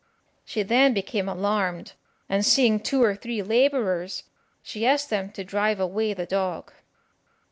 She then became alarmed, and seeing two or three labourers, she asked them to drive away the dog.